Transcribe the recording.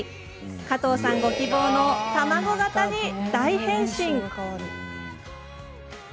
加藤さんご希望の卵型に大変身。